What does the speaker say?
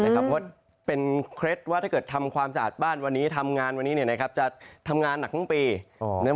เพราะว่าเป็นเคล็ดว่าถ้าเกิดทำความสะอาดบ้านวันนี้ทำงานวันนี้จะทำงานหนักทั้งปี